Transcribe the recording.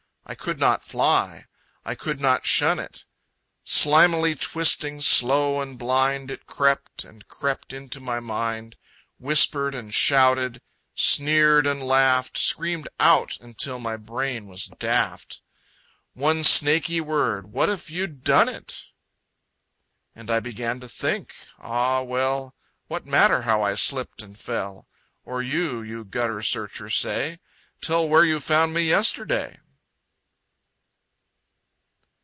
I could not fly. I could not shun it. Slimily twisting, slow and blind, It crept and crept into my mind. Whispered and shouted, sneered and laughed, Screamed out until my brain was daft.... One snaky word, "WHAT IF YOU'D DONE IT?" And I began to think... Ah, well, What matter how I slipped and fell? Or you, you gutter searcher say! Tell where you found me yesterday!